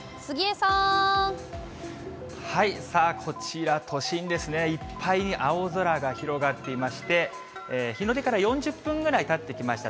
さあ、こちら都心ですね、いっぱいに青空が広がっていまして、日の出から４０分ぐらいたってきました。